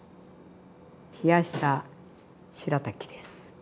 冷やしたしらたきです。